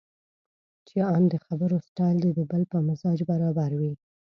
چې ان د خبرو سټایل دې د بل په مزاج برابر وي.